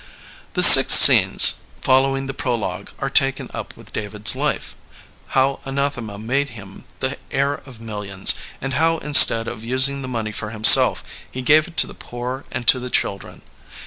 The six scenes following the prologue are taken up with David's life — ^how Anathema made him the heir of millions, and how instead of using the money for himself he gave it to the poor and to the children.